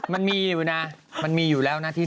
มันมีอยู่นะมันมีอยู่แล้วนะที่